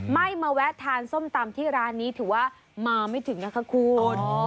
ไม่มาแวะทานส้มตำที่ร้านนี้ถือว่ามาไม่ถึงนะคะคุณ